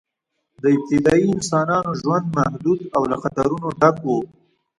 د ابتدایي انسانانو ژوند محدود او له خطرونو ډک و.